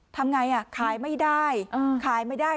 ทำไงขายไม่ได้ขายไม่ได้